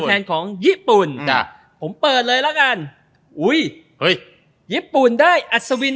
อันนี้คือญี่ปุ่นนะญี่ปุ่น